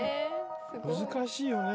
難しいよね。